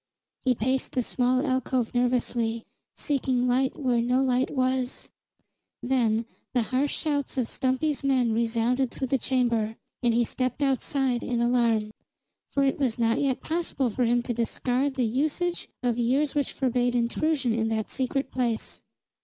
He paced the small alcove nervously, seeking light where no light was. Then the harsh shouts of Stumpy's men resounded through the chamber, and he stepped outside in alarm. For it was not yet possible for him to discard the usage of years which forbade intrusion in that secret place.